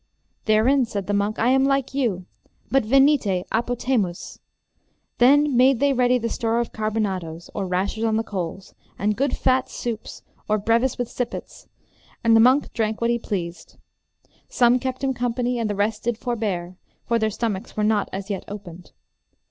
Therein, said the monk, I am like you; but, venite, apotemus. Then made they ready store of carbonadoes, or rashers on the coals, and good fat soups, or brewis with sippets; and the monk drank what he pleased. Some kept him company, and the rest did forbear, for their stomachs were not as yet opened.